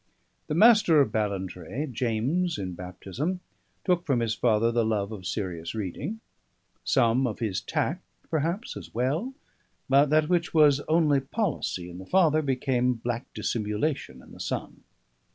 The Master of Ballantrae, James in baptism, took from his father the love of serious reading; some of his tact, perhaps, as well, but that which was only policy in the father became black dissimulation in the son.